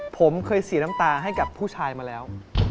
ผมเคยเสียน้ำตาให้กับผู้ชายมาแล้ว